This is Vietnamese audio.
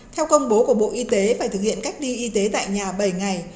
theo công bố của bộ y tế phải thực hiện cách ly y tế tại nhà bảy ngày